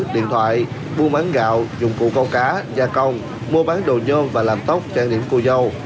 điện thoại buôn bán gạo dụng cụ câu cá gia công mua bán đồ nhôn và làm tóc trang điểm cô dâu